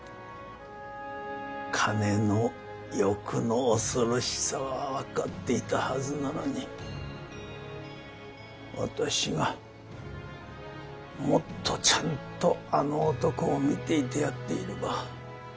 金の欲の恐ろしさは分かっていたはずなのに私がもっとちゃんとあの男を見ていてやっていれば。